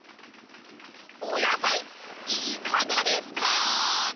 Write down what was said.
おやさいいかがですか！